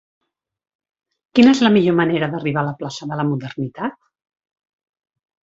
Quina és la millor manera d'arribar a la plaça de la Modernitat?